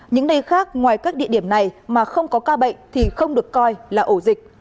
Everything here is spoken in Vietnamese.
những nơi khác ngoài các địa điểm này mà không có ca bệnh thì không được coi là ổ dịch